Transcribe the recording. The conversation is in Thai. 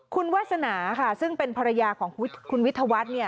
คุณวาสนาค่ะซึ่งเป็นภรรยาของคุณวิทยาวัฒน์เนี่ย